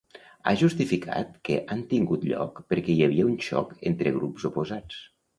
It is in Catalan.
Ha justificat que han tingut lloc perquè hi havia un xoc entre grups oposats.